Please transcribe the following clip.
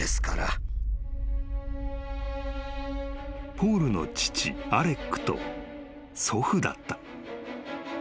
［ポールの父アレックと祖父だった］